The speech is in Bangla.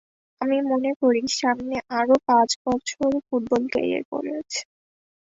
আমি মনে করি, আমার সামনে আরও পাঁচ বছর ফুটবল ক্যারিয়ার পড়ে আছে।